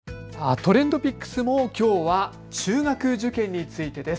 ＴｒｅｎｄＰｉｃｋｓもきょうは中学受験についてです。